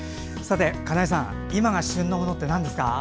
金井さん、今が旬のものってなんですか？